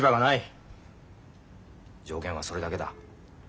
条件はそれだけだ。